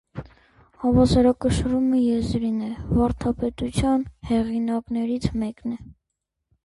«Հավասարակշռումը եզրին է» վարդապետության հեղինակներից մեկն է։